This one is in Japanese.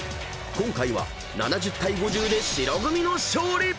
［今回は７０対５０で白組の勝利！］